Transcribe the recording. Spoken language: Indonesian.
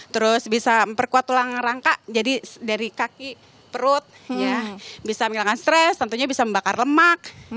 terus bisa memperkuat tulang rangka jadi dari kaki perut bisa menghilangkan stres tentunya bisa membakar lemak